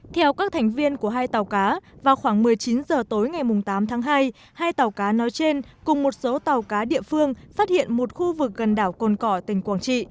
theo các thành viên của hai tàu cá vào khoảng một mươi chín h tối ngày tám tháng hai hai tàu cá nói trên cùng một số tàu cá địa phương phát hiện một khu vực gần đảo cồn cỏ tỉnh quảng trị